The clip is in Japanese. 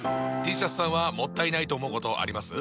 Ｔシャツさんはもったいないと思うことあります？